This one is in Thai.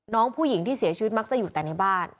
น้องผู้หญิงที่เสียชีวิตมักจะอยู่แต่ในบ้าน